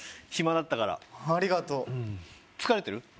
暇だったからありがとう疲れてる？